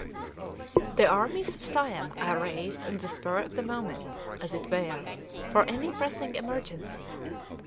The armies of Siam are raised on the spur of the moment, as it were, for any pressing emergency.